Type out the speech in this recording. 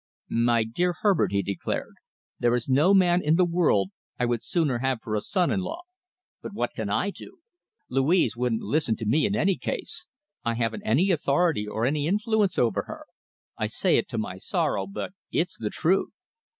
"My dear Herbert," he declared, "there is no man in the world I would sooner have for a son in law. But what can I do? Louise wouldn't listen to me in any case. I haven't any authority or any influence over her. I say it to my sorrow, but it's the truth.